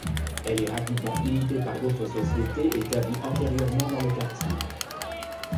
Elle est rapidement imitée par d'autres sociétés établies antérieurement dans le quartier.